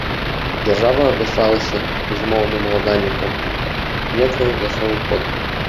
Дзяржава абвяшчалася безумоўным уладальнікам нетраў, лясоў, вод.